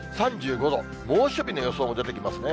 ３５度、猛暑日の予想も出てきますね。